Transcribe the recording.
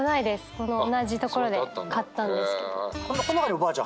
この同じ所で買ったんですけど。